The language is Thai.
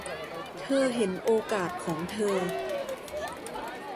เธอเห็นโอกาสของเธอ